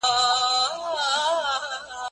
کله چې ټولنه بدلیږي نوي قوانین پکار دي.